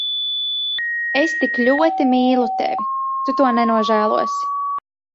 Es tik ļoti mīlu tevi. Tu to nenožēlosi.